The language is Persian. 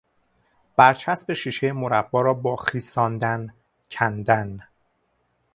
بر چسب شیشه مربا را با خیساندن کندن